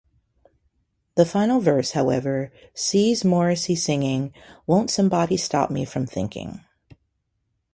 The final verse, however, sees Morrissey singing Won't somebody stop me from thinking?